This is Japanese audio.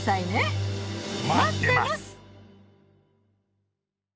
待ってます！